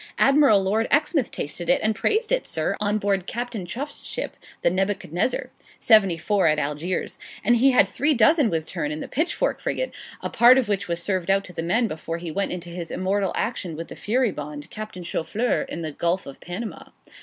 'Admiral Lord Exmouth tasted and praised it, sir, on board Captain Chuff's ship, the "Nebuchadnezzar," 74, at Algiers; and he had three dozen with turn in the "Pitchfork" frigate, a part of which was served out to the men before he went into his immortal action with the "Furibonde," Captain Choufleur, in the Gulf of Panama.'